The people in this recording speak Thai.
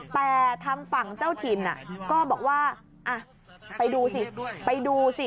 แต่ทางฝั่งเจ้าถิ่นก็บอกว่าไปดูสิไปดูสิ